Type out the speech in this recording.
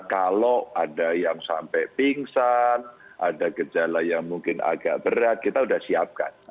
kalau ada yang sampai pingsan ada gejala yang mungkin agak berat kita sudah siapkan